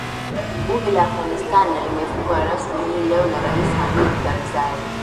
bunge la afghanistan na limefunguliwa rasmi hii leo na rais hamid karzai